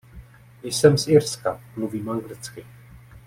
Jsem z Irska, mluvím anglicky.